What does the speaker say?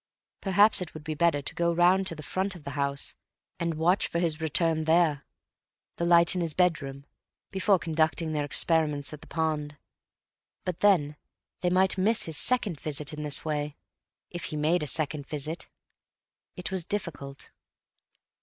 Perhaps it would be better to go round to the front of the house and watch for his return there, the light in his bedroom, before conducting their experiments at the pond. But then they might miss his second visit in this way, if he made a second visit. It was difficult.